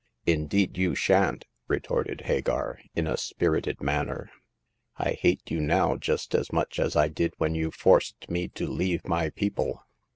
Indeed you shan't !" retorted Hagar, in a spirited manner. I hate you now just as much as I did when you forced me to leave my people."